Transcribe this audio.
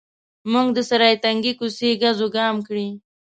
مو د سرای تنګې کوڅې ګزوګام کړې.